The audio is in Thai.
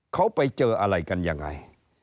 เขาไปเจออะไรกันยังไง